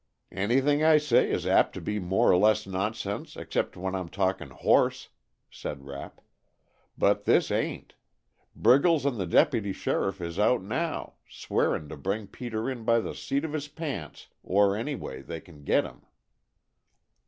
"Anything I say is apt to be more or less nonsense, except when I'm talkin' horse," said Rapp, "but this ain't. Briggles and the dep'ty sheriff is out now, swearin' to bring Peter in by the seat of his pants or any way they can get him."